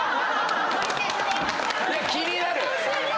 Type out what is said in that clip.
いや気になる！